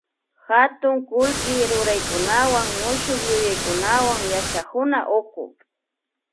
katun kullki ruraykunawan mushukyuyaykunawan yachakuna uku